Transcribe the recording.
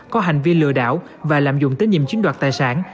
có hành vi lừa đảo và lạm dụng tín nhiệm chiếm đoạt tài sản